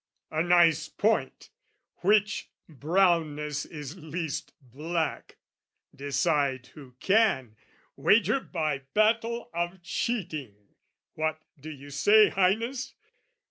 A nice point! Which brownness is least black, decide who can, Wager by battle of cheating! What do you say, Highness?